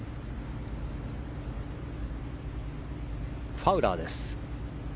ファウラーです。